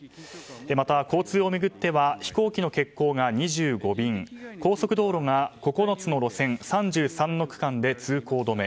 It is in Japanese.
また、交通を巡っては飛行機の欠航が２５便高速道路が９つの路線３３の区間で通行止め。